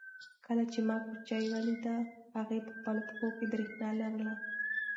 کله چې ما کوچۍ ولیده هغې په خپلو پښو کې برېښنا لرله.